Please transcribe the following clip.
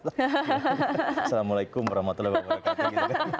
assalamualaikum warahmatullahi wabarakatuh